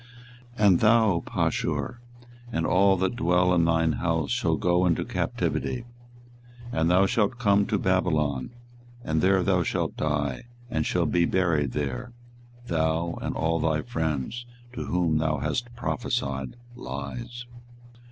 24:020:006 And thou, Pashur, and all that dwell in thine house shall go into captivity: and thou shalt come to Babylon, and there thou shalt die, and shalt be buried there, thou, and all thy friends, to whom thou hast prophesied lies.